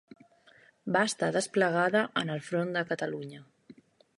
Va estar desplegada en el front de Catalunya.